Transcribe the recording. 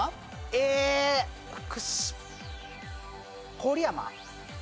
郡山？